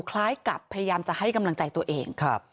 คล้ายกับพยายามจะให้กำลังใจตัวเอง